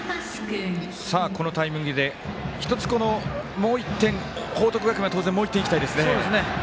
このタイミングで、もう１点報徳学園は当然もう１点いきたいですね。